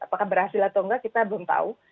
apakah berhasil atau enggak kita belum tahu